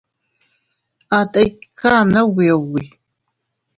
A tikan ubi ubi.